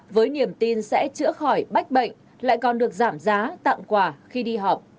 với niềm tin sẽ chữa khỏi bách bệnh lại còn được giảm giá tặng quà khi đi học